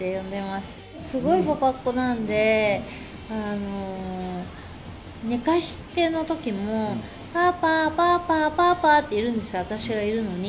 すごいパパっ子なんで、寝かしつけのときも、パーパー、パーパー、パーパーって言うんですよ、私がいるのに。